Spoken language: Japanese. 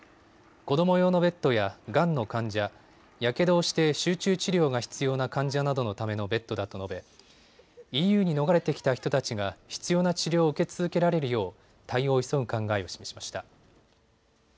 子ども用のベッドやがんの患者、やけどをして集中治療が必要な患者などのためのベッドだと述べ、ＥＵに逃れてきた人たちが必要な治療を受け続けられるよう対応を急ぐ考えを示しました。